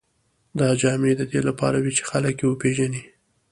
دا جامې د دې لپاره وې چې خلک یې وپېژني.